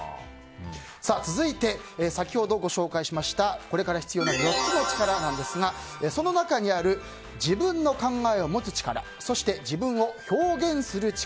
続いて先ほどご紹介したこれから必要な４つの力ですがその中にある自分の考えを持つ力そして、自分を表現する力。